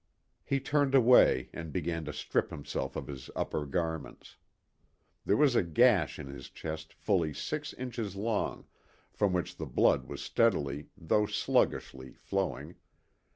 He turned away and began to strip himself of his upper garments. There was a gash in his chest fully six inches long, from which the blood was steadily, though sluggishly, flowing.